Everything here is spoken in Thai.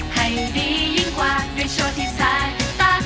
ให้ดียิ่งกว่าด้วยโชว์ที่สายตา